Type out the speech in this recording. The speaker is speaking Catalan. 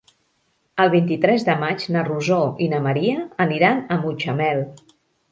El vint-i-tres de maig na Rosó i na Maria aniran a Mutxamel.